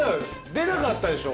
出なかったでしょ